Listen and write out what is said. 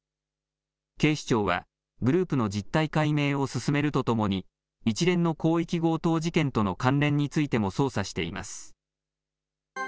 警視庁は、グループの実態解明を進めるとともに、一連の広域強盗事件との関連についても捜査しています。